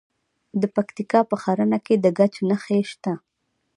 د پکتیکا په ښرنه کې د ګچ نښې شته.